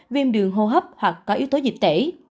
viêm đường hô hấp hoặc có yếu tố dịch tễ